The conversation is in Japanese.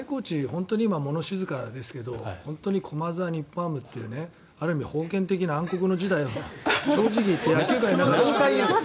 本当に今は物静かですけど本当に駒沢、日本ハムハムというある意味封建的な暗黒の時代を正直言って野球界の中で。